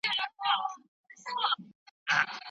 په ګوښه کي غلی غلی